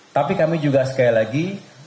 tapi kami juga sekali lagi